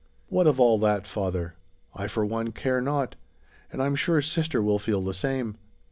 "What of all that, father? I, for one, care not; and I'm sure sister will feel the same.